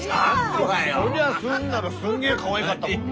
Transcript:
そりゃすんだろすんげえかわいがったもん。